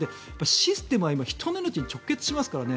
システムは今人の命に直結しますからね。